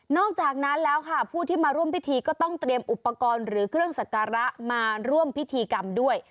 อกจากนั้นแล้วค่ะผู้ที่มาร่วมพิธีก็ต้องเตรียมอุปกรณ์หรือเครื่องสักการะมาร่วมพิธีกรรมด้วย